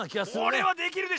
これはできるでしょ？